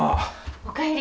お帰り。